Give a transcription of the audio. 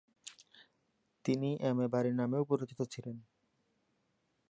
তিনি M A Bari নামেও পরিচিত ছিলেন।